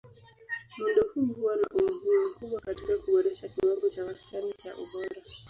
Muundo huu huwa na umuhimu mkubwa katika kuboresha kiwango cha wastani cha ubora.